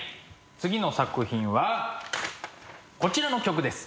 次の作品はこちらの曲です。